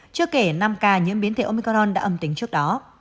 chưa kể năm ca nhiễm biến thể omicron đã âm tính trước đó